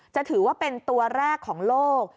จะถือว่าเป็นตัวแรกของโลก